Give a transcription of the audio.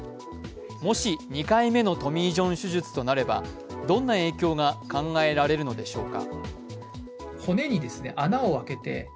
もし２回目のトミー・ジョン手術となればどんな影響が考えられるのでしょうか。